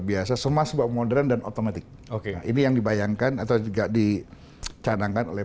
biasa semua sebab modern dan otomatik oke ini yang dibayangkan atau juga dicanangkan oleh